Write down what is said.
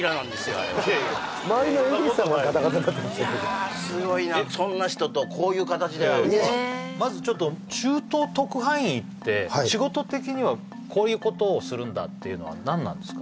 あれ周りのＡＤさんはガタガタになってましたけどいやすごいなそんな人とこういう形で会うとはまずちょっと中東特派員って仕事的にはこういうことをするんだっていうのは何なんですか？